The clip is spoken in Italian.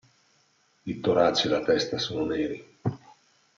Il torace e la testa sono neri.